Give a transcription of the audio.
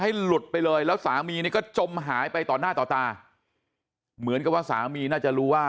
หลุดไปเลยแล้วสามีนี่ก็จมหายไปต่อหน้าต่อตาเหมือนกับว่าสามีน่าจะรู้ว่า